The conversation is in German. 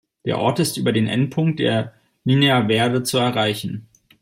Der Ort ist über den Endpunkt der Linha Verde zu erreichen.